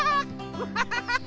アハハハハ！